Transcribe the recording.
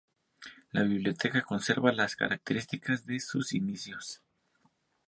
La Biblioteca conserva las características de sus inicios.